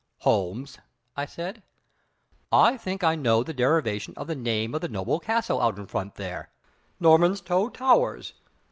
"Holmes," I said, "I think I know the derivation of the name of the noble castle out in front there, Normanstow Towers.